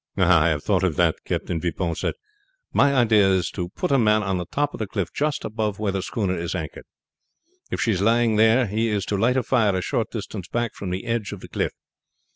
"I have thought of that," Captain Vipon said. "My idea is to put a man on the top of the cliff just above where the schooner is anchored. If she is lying there he is to light a fire a short distance back from the edge of the cliff.